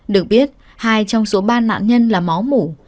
được biết hai trong số ba nạn nhân là máu mủ